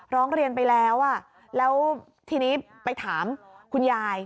ร้องเรียนไปแล้วแล้วทีนี้ไปถามคุณยาย